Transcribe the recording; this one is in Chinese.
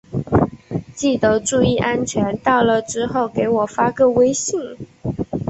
记得注意安全，到了之后给我发个微信。